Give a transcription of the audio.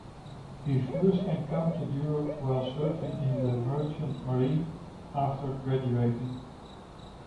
He first encountered Europe while serving in the Merchant Marine after graduating.